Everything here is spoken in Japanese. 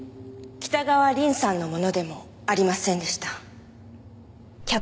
北川凛さんのものでもありませんでした。